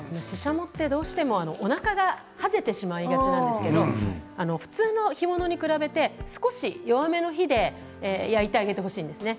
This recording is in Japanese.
ししゃもは、おなかがはぜてしまいがちなんですけれど普通の干物に比べて少し弱めの火で焼いてあげてほしいんですね。